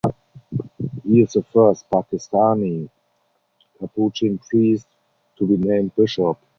He is the first Pakistani Capuchin priest to be named bishop.